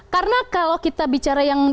karena kalau kita bicara yang